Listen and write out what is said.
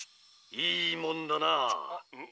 いいもんだな。